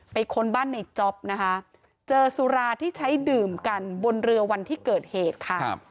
ค้นบ้านในจ๊อปนะคะเจอสุราที่ใช้ดื่มกันบนเรือวันที่เกิดเหตุค่ะ